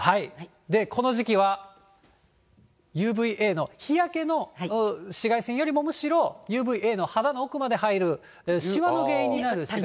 この時期はＵＶーＡの日焼けの紫外線よりも、むしろＵＶーＡの肌の奥まで入るしわの原因になる紫外線が。